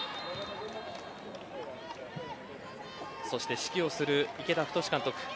そして、指揮をとる池田太監督